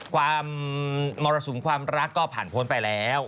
ความมรสุมความรักก็ผ่านพ้นไปแล้ว